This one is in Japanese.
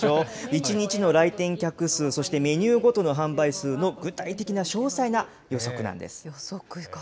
１日の来店客数、そしてメニューごとの販売数の具体的な詳細な予測なんです。